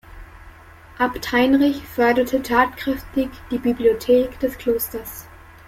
Abt Heinrich förderte tatkräftig die Bibliothek des Klosters.